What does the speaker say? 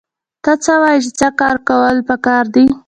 ته څه وايې چې څه کول پکار دي؟